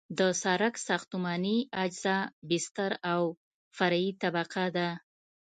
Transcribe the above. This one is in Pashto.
د سرک ساختماني اجزا بستر او فرعي طبقه ده